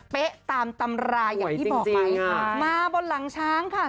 ตามตำราอย่างที่บอกไปมาบนหลังช้างค่ะ